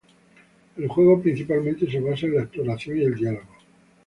El juego principalmente se basa en la exploración y diálogo.